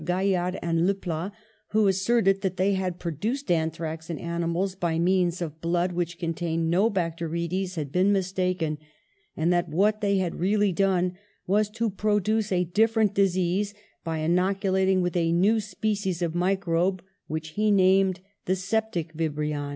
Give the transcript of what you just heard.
Gaillard and Leplat, who asserted that they had produced anthrax in ani mals by means of blood which contained no bacterides, had been mistaken, and that what they had really done was to produce a different disease by inoculating with a new species of microbe, which he named the septic vihrion.